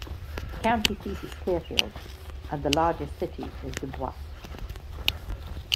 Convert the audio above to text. The county seat is Clearfield, and the largest city is DuBois.